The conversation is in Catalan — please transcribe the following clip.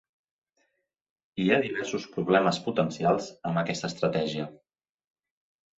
Hi ha diversos problemes potencials amb aquesta estratègia.